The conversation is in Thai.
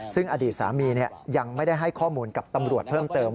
ซึ่งอดีตสามียังไม่ได้ให้ข้อมูลกับตำรวจเพิ่มเติม